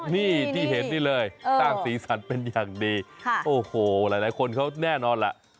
นี่ที่เห็นนี่เลยสร้างสีสันเป็นอย่างดีโอ้โหหลายคนเขาแน่นอนล่ะ